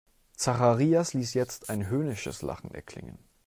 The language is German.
Zacharias ließ jetzt ein höhnisches Lachen erklingen.